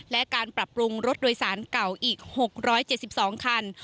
และการปรับปรุงรถโดยสารเก่าอีก๖๗๒คัน